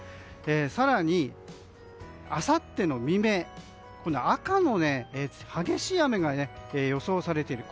更に、あさって未明今度は赤、激しい雨が予想されている。